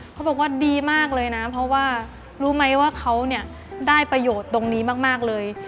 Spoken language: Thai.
เขาบอกว่าดีมากเลยนะเพราะว่ารู้ไหมว่าเขาเนี่ยได้ประโยชน์ตรงนี้มากเลย